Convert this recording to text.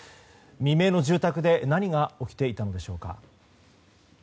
未明の住宅で何が起きていたのでしょうか。